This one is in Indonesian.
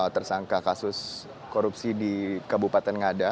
tersangka kasus korupsi di kabupaten ngada